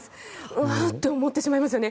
うわっと思ってしまいますよね。